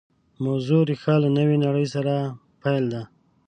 موضوع ریښه له نوې نړۍ سره پیل ده